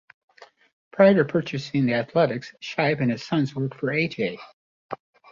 Prior to purchasing the Athletics, Shibe and his sons worked for A. J.